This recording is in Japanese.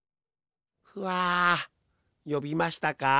ふあよびましたか？